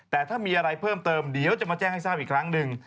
แต่ถ้ามีอะไรเพิ่มเติมเดี๋ยวจะมาแจ้งให้ทราบอีกครั้งหนึ่ง